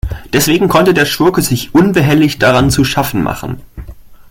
Deswegen konnte der Schurke sich unbehelligt daran zu schaffen machen.